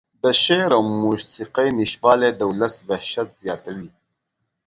د شعر او موسيقۍ نشتوالى د اولس وحشت زياتوي.